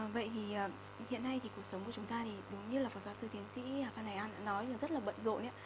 vậy thì hiện nay thì cuộc sống của chúng ta thì đúng như là phó giáo sư tiến sĩ phan hải an đã nói là rất là bận rộn